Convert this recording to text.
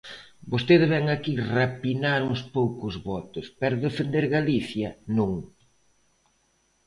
Vostede vén aquí rapinar uns pouco votos, pero defender Galicia non.